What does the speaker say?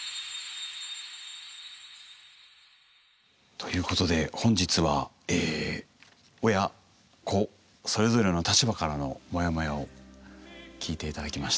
ということで本日はえ親子それぞれの立場からのモヤモヤを聞いて頂きました。